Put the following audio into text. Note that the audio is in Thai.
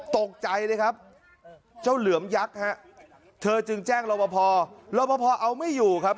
ตกใจเลยครับเจ้าเหลือมยักษ์ฮะเธอจึงแจ้งรอบพอรอบพอเอาไม่อยู่ครับ